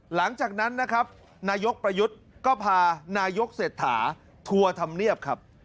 หลังจากนั้นนะครับนายกประยุทธ์ก็พานายกเศรษฐาทัวร์ธรรมเนียบครับ